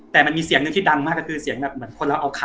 แต่มันมีเสียงที่ดังมากว่า